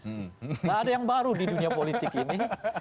tidak ada yang baru di dunia politik ini